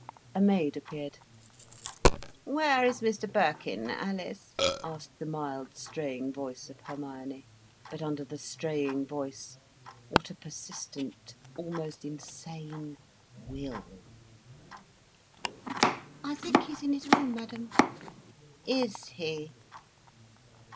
A maid appeared. "Where is Mr Birkin, Alice?" asked the mild straying voice of Hermione. But under the straying voice, what a persistent, almost insane will! "I think he's in his room, madam." "Is he?"